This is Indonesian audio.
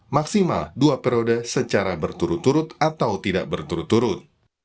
maksimal dua periode secara berturut turut atau tidak berturut turut